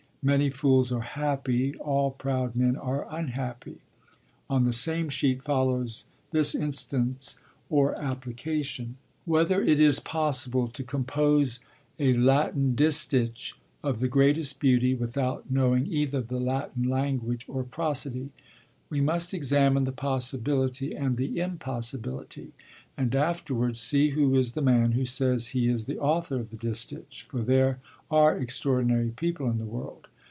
Many fools are happy, all proud men are unhappy.' On the same sheet follows this instance or application: Whether it is possible to compose a Latin distich of the greatest beauty without knowing either the Latin language or prosody. We must examine the possibility and the impossibility, and afterwards see who is the man who says he is the author of the distich, for there are extraordinary people in the world.